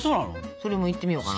それもいってみようかなと。